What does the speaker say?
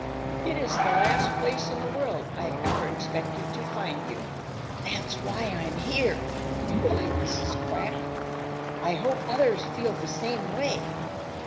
It is the last place in the world I ever expected to find you." "That's why I'm here," replied Mrs. Quack. "I hope others feel the same way.